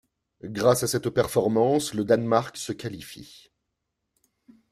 Grâce à cette performance le Danemark se qualifie.